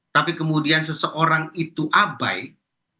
tapi kemudian seseorang itu abai sampai sampai orang yang tidak waras